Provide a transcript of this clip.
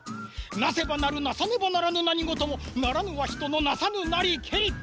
なせばなるなさねばならぬなにごともならぬはひとのなさぬなりけり。